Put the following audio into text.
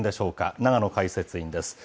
永野解説委員です。